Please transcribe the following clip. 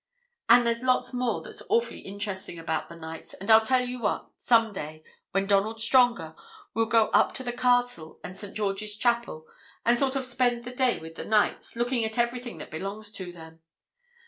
And there's lots more that's awfully interesting about the Knights; and I tell you what, some day, when Donald's stronger, we'll go up to the castle and St. George's Chapel, and sort of spend the day with the Knights, looking at everything that belongs to them.